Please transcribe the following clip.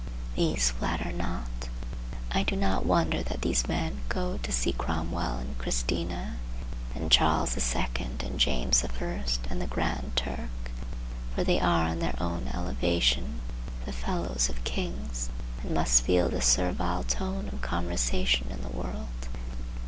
These flatter not. I do not wonder that these men go to see Cromwell and Christina and Charles the Second and James the First and the Grand Turk. For they are, in their own elevation, the fellows of kings, and must feel the servile tone of conversation in the world.